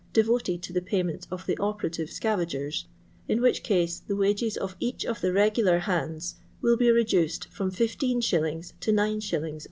devoted to the payment of the operative soavagers, in which case the wages of each of the regular hands will be reduced from Ifii. to 9s.